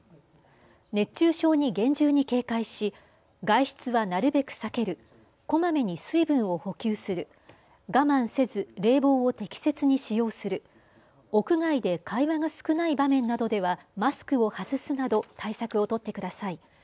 熱中症に厳重に警戒し外出はなるべく避ける、こまめに水分を補給する、我慢せず冷房を適切に使用する、屋外で会話が少ない場面などではマスクを外すなど対策を取ってください。